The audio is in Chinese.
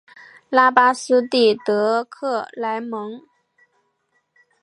拉巴斯蒂德克莱蒙。